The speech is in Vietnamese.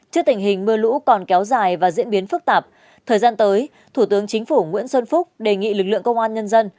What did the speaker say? trước tình hình mưa lũ còn kéo dài và diễn biến phức tạp thời gian tới thủ tướng chính phủ nguyễn xuân phúc đề nghị lực lượng công an nhân dân